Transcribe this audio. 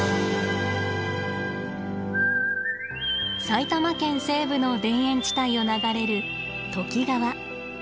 埼玉県西部の田園地帯を流れる都幾川。